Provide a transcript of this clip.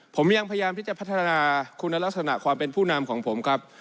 ผมยังพยายามที่จะพัฒนาคุณลักษณะความเป็นผู้นำของผมครับ